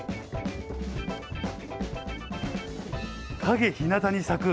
陰ひなたに咲く。